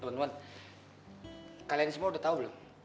temen temen kalian semua udah tau belum